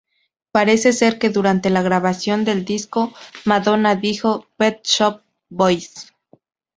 Parece ser que durante la grabación del disco, Madonna dijo "Pet Shop Boys!